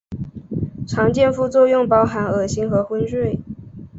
常见副作用包含恶心和昏睡。